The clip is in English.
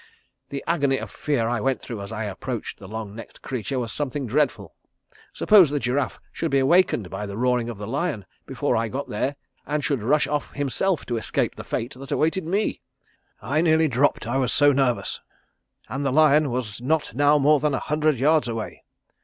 The agony of fear I went through as I approached the long necked creature was something dreadful. Suppose the giraffe should be awakened by the roaring of the lion before I got there and should rush off himself to escape the fate that awaited me? I nearly dropped, I was so nervous, and the lion was now not more than a hundred yards away.